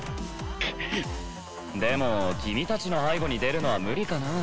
くっでも君達の背後に出るのは無理かな